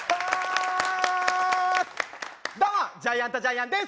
どうもジャイアントジャイアンです！